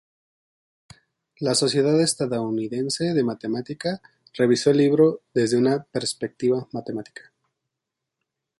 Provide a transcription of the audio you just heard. La Sociedad Estadounidense de Matemática revisó el libro desde una perspectiva matemática.